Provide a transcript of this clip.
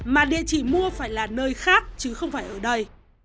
mà địa chỉ mua phải là nơi khác chứ không phải ở đây